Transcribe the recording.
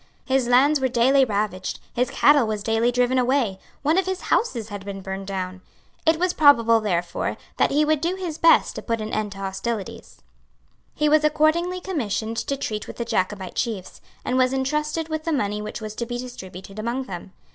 His lands were daily ravaged; his cattle were daily driven away; one of his houses had been burned down. It was probable, therefore, that he would do his best to put an end to hostilities. He was accordingly commissioned to treat with the Jacobite chiefs, and was entrusted with the money which was to be distributed among them.